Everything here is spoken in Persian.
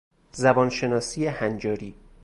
زبان شناسی هنجاری